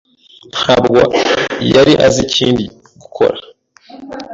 ntabwo yari azi ikindi gukora.